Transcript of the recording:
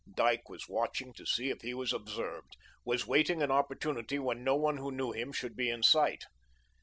Dyke was watching to see if he was observed was waiting an opportunity when no one who knew him should be in sight.